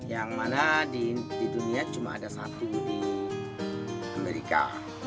yang mana di dunia cuma ada satu di amerika